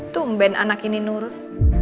tumben anak ini nurut